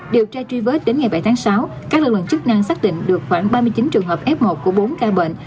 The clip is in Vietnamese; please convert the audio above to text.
điều tra truy vết đến ngày bảy tháng sáu các lực lượng chức năng xác định được khoảng ba mươi chín trường hợp f một của bốn ca bệnh